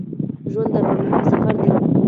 ژوند د رڼا سفر دی.